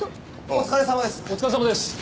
お疲れさまです。